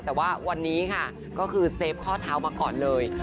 แต่ว่าวันนี้ค่ะก็คือเซฟข้อเท้ามาก่อนเลย